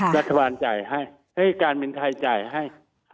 รัฐบาลจ่ายให้ให้การบินไทยจ่ายให้